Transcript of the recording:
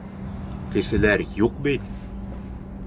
Кешеләр юҡ бит!